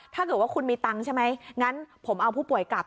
ถ้าเกิดว่าคุณมีตังค์ใช่ไหมงั้นผมเอาผู้ป่วยกลับ